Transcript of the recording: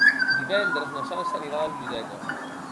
Divendres na Sança anirà a la biblioteca.